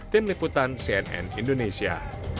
tim liputan cnn indonesia